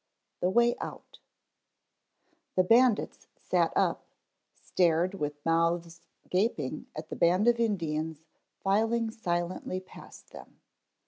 THE WAY OUT The bandits sat up, stared with mouths gaping at the band of Indians filing silently past them.